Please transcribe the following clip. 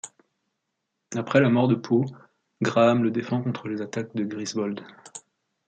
Après la mort de Poe, Graham le défend contre les attaques de Griswold.